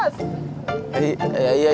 suara tuh tepat terus